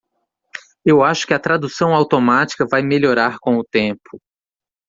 Eu acho que a tradução automática vai melhorar com o tempo.